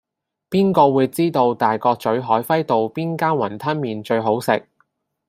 邊個會知道大角咀海輝道邊間雲吞麵最好食